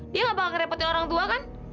dia gak bakal ngerepotin orang tua kan